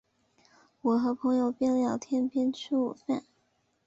我和朋友边聊天边吃午餐